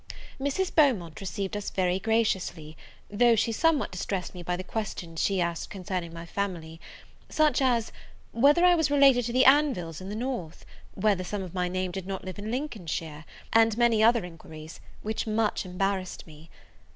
Mrs. Beaumont received us very graciously, though she some what distressed me by the questions she asked concerning my family; such as, Whether I was related to the Anvilles in the North? Whether some of my name did not live in Lincolnshire? and many other inquiries, which much embarrassed me.